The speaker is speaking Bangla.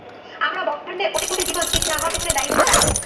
আমরা ব্রহ্মান্ডের কোটি কোটি জীবন সৃষ্টি না হওয়ার পেছনে দায়ী হতে পারি।